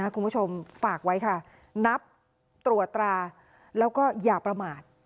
คุณผู้ชมฝากไว้ค่ะนับตรวจตราแล้วก็อย่าประมาท